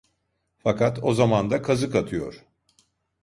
Fakat o zaman da kazık atıyor.